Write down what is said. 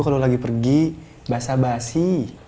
kalau lagi pergi basah basi